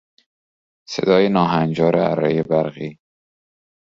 صدای ناهنجار ارهی برقی